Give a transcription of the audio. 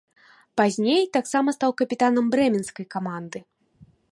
Пазней таксама стаў капітанам брэменскай каманды.